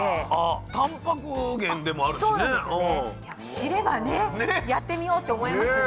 知ればねやってみようって思いますね。